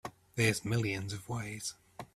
There's millions of ways.